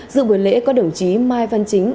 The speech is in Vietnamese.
dự buổi lễ có đồng chí mai văn chính